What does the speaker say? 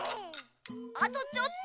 あとちょっと。